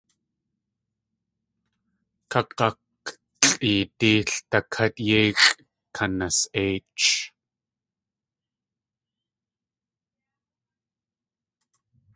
Kag̲aklʼeedí ldakát yéixʼ kanas.éich.